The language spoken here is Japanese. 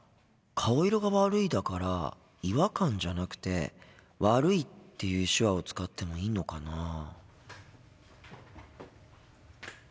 「顔色が悪い」だから「違和感」じゃなくて「悪い」っていう手話を使ってもいいのかな？